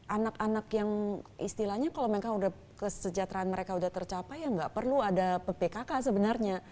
anak anak yang istilahnya kalau mereka kesejahteraan mereka udah tercapai ya nggak perlu ada pkk sebenarnya